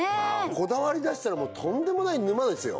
こだわりだしたらもうとんでもない沼ですよ